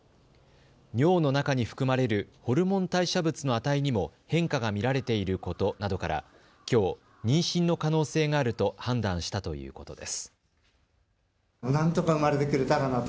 尿の中に含まれるホルモン代謝物の値にも変化が見られていることなどからきょう妊娠の可能性があると判断したということです。